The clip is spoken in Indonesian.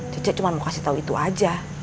cicak cuma mau kasih tahu itu aja